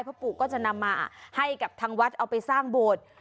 ปู่ก็จะนำมาให้กับทางวัดเอาไปสร้างโบสถ์